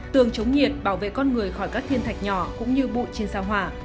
tường chống nhiệt bảo vệ con người khỏi các thiên thạch nhỏ cũng như bụi trên sao hỏa